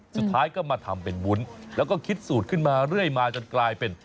สุดท้ายก็มาทำเป็นวุ้นแล้วก็คิดสูตรขึ้นมาเรื่อยมาจนกลายเป็น